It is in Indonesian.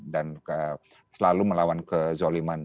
dan selalu melawan kezaliman